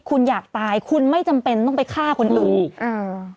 คุณอยากตายคุณไม่จำเป็นต้องไปฆ่าคนอื่นอ่า